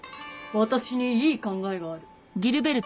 私にいい考えがある。